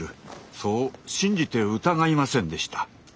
そう信じて疑いませんでした。